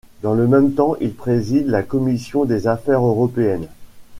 Dans le même temps, il préside la commission des Affaires européennes.